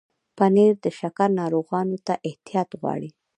پنېر د شکر ناروغانو ته احتیاط غواړي.